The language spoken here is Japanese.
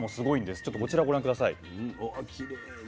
ちょっとこちらをご覧下さい。